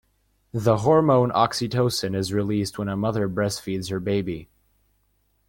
The hormone oxytocin is released when a mother breastfeeds her baby.